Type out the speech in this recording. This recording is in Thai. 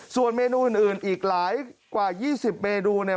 ส่วนเมนูอื่นอีกหลายกว่า๒๐เมนูเนี่ย